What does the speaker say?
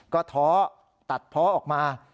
ก็ท้อตัดเพาะออกมา